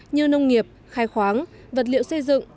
như nông nghiệp khai khoáng vật liệu xây dựng